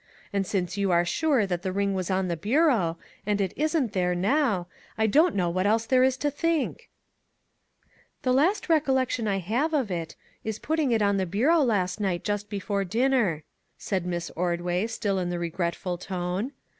And since you are sure that the 1 06 A SEA OF TROUBLE ring was on the bureau, and it isn't there now, I don't know what else there is to think." " The last recollection I have of it is putting it on the bureau last night just before dinner," said Miss Ordway, still in the regretful tone.